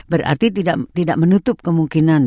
berarti tidak menutup kemungkinan